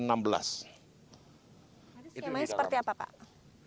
skemanya seperti apa pak